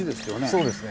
そうですね。